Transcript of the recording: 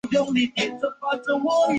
茅焦因此事被尊为上卿。